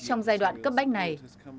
trong giai đoạn cấp bách này